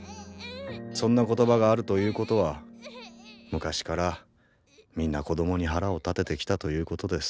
そんな言葉があるということは昔からみんな子供に腹を立ててきたということです。